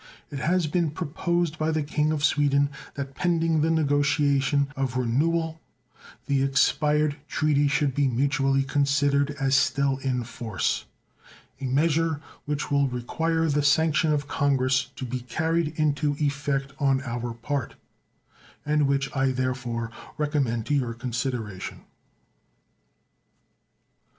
It has been proposed by the King of Sweden that pending the negotiation of renewal the expired treaty should be mutually considered as still in force, a measure which will require the sanction of Congress to be carried into effect on our part, and which I therefore recommend to your consideration.